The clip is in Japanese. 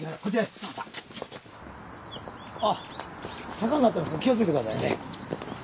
坂になってますから気を付けてくださいね。